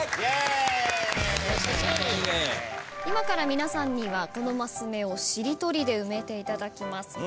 今から皆さんにはこのマス目をしりとりで埋めていただきます。